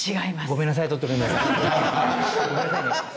ごめんなさいね。